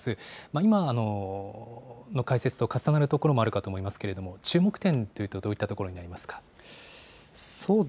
今の解説と重なるところもあると思いますけれども、注目点というと、どういったところになりますか。